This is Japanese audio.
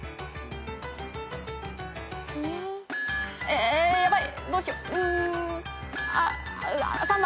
えヤバいどうしよう。